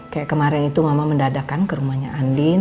kayak kemarin itu mama mendadakkan ke rumahnya andien